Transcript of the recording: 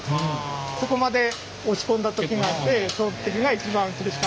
そこまで落ち込んだ時があってその時が一番苦しかったです。